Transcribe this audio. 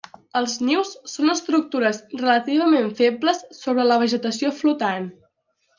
Els nius són estructures relativament febles sobre la vegetació flotant.